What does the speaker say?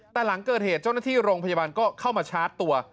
แต่หลังเกิดเหตุเจ้าหน้าที่โรงพยาบาลก็เข้ามาชาร์จตัว